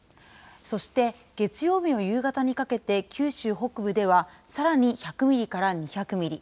そして、月曜日の夕方にかけて九州北部では、さらに１００ミリから２００ミリ。